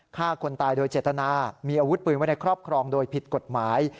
ฆ่าคนตายโดยเจตนามีอาวุธปืนไว้ในครอบครองโดยผิดกฎหมาย